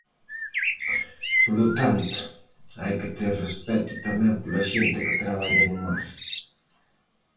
Polo tanto, hai que ter respecto tamén pola xente que traballa no mar.